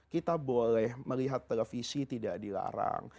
kita boleh melihat televisi tidak dilarang